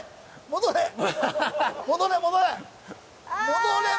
戻れ！